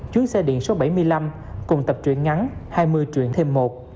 chuyến xe điện số bảy mươi năm cùng tập truyện ngắn hai mươi truyện thêm một